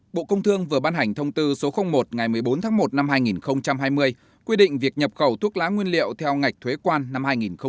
bộ công thương vừa ban hành thông tư số một ngày một mươi bốn tháng một năm hai nghìn hai mươi quy định việc nhập khẩu thuốc lá nguyên liệu theo ngạch thuế quan năm hai nghìn hai mươi